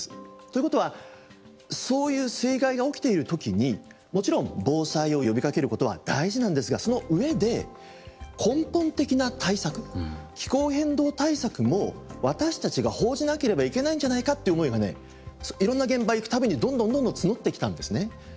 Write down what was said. ということはそういう水害が起きているときにもちろん防災を呼びかけることは大事なんですがそのうえで根本的な対策気候変動対策も私たちが報じなければいけないんじゃないかという思いがねいろんな現場へ行くたびにどんどんどんどん募ってきたんですね。